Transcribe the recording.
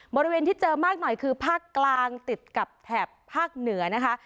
บริเวณที่เจอมากหน่อยคือภาคกลางติดกับแถบภาคเหนือนะคะ